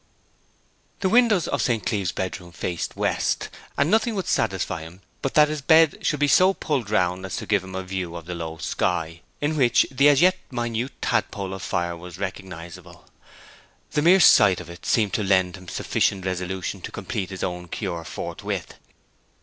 The windows of St. Cleeve's bedroom faced the west, and nothing would satisfy him but that his bed should be so pulled round as to give him a view of the low sky, in which the as yet minute tadpole of fire was recognizable. The mere sight of it seemed to lend him sufficient resolution to complete his own cure forthwith.